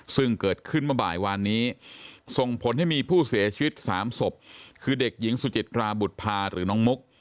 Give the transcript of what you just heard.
ซึ่งเกิดขึ้นเมื่อบ่ายวานนี้ส่งผลให้มีผู้เสียชีวิต๓ศพคือเด็กหญิงสุจิตราบุตรภาหรือน้องมุก